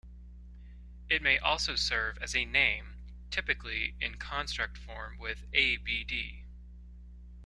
It may also serve as a name, typically in construct form with "abd".